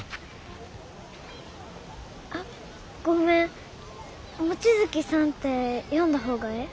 あっごめん望月さんって呼んだ方がええ？